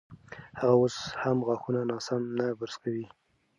هغه اوس هم غاښونه ناسم نه برس کوي.